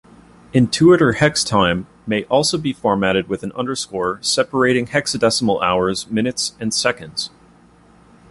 Intuitor-hextime may also be formatted with an underscore separating hexadecimal hours, minutes and seconds.